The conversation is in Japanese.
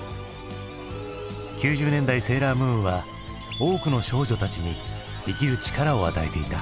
９０年代「セーラームーン」は多くの少女たちに生きる力を与えていた。